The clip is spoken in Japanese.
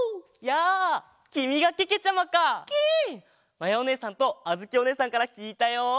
まやおねえさんとあづきおねえさんからきいたよ！